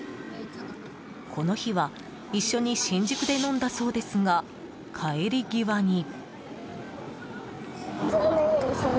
この日は一緒に新宿で飲んだそうですが、帰り際に。